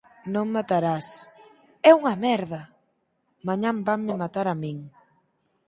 Non matarás»: E unha merda! Mañá vanme matar a min.